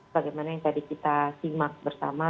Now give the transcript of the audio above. bagaimana yang tadi kita simak bersama